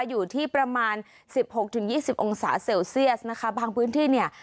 อยู่ที่ประมาณสิบหกถึงยี่สิบองศาเซลเซียสนะคะบางพื้นที่เนี่ย